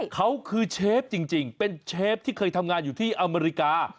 เขาคือเชฟจริงเป็นเชฟที่เคยทำงานอยู่ที่อเมริกา